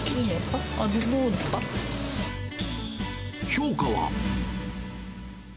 評価は。